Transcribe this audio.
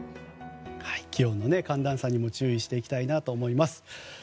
寒暖差にも注意していきたいなと思います。